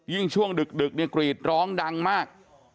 ยิ่งช่วงดึกกรีดร้องดังมาก